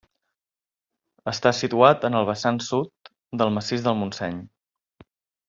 Està situat en el vessant sud del Massís del Montseny.